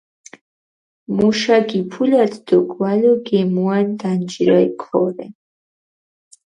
მუშა გიფულათ დო გვალო გემუან დანჯირალ ქორე.